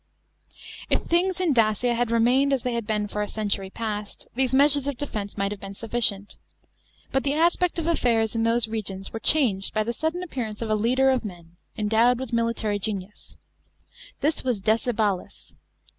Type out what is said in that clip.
§ 13. If things in Dacia had remained as they had been for a century past, these measures of defence might have been sufficient. But the aspect of affairs in those regions was changed by the sudden appearance of a leader of men, endowed with military genius. This was Decebalus.